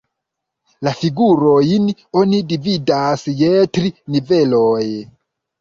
La figurojn oni dividas je tri niveloj.